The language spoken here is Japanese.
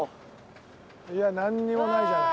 いやなんにもないじゃない。